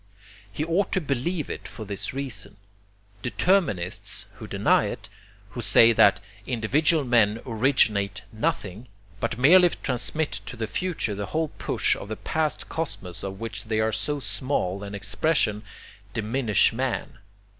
He ought to believe it for this reason. Determinists, who deny it, who say that individual men originate nothing, but merely transmit to the future the whole push of the past cosmos of which they are so small an expression, diminish man.